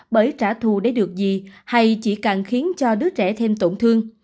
bởi trả thù để được gì hay chỉ càng khiến cho đứa trẻ thêm tổn thương